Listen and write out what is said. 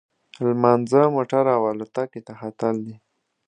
لمانځه، موټر او الوتکې ته ختل دي.